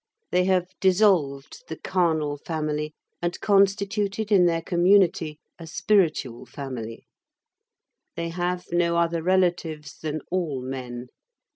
They have dissolved the carnal family, and constituted in their community a spiritual family. They have no other relatives than all men.